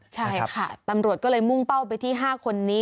ใช่ค่ะตำรวจก็เลยมุ่งเป้าไปที่๕คนนี้